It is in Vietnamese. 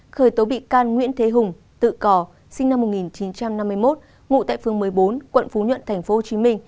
khởi tố bị can nguyễn thế hùng tự cò sinh năm một nghìn chín trăm năm mươi một ngụ tại phường một mươi bốn quận phú nhuận tp hcm